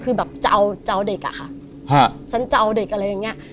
คือแบบจะเอาจะเอาเด็กอะค่ะฉันจะเอาเด็กอะไรอย่างนี้